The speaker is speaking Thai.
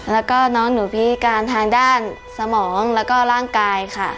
แล้วก็น้องหนูพิการทางด้านสมองแล้วก็ร่างกายค่ะ